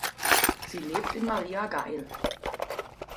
Sie lebt in Maria Gail.